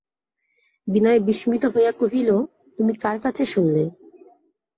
বিনয় বিস্মিত হইয়া কহিল, তুমি কার কাছে শুনলে?